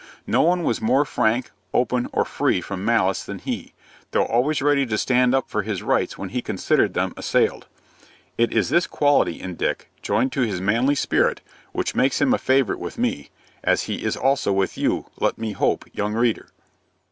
No one was more frank, open, or free from malice than he, though always ready to stand up for his rights when he considered them assailed. It is this quality in Dick, joined to his manly spirit, which makes him a favorite with me, as he is also with you, let me hope, young reader.